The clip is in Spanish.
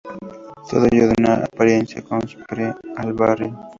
Todo ello da una apariencia campestre al barrio.